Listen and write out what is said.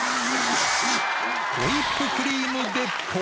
ホイップクリーム鉄砲。